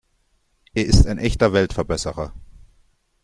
Er ist ein echter Weltverbesserer.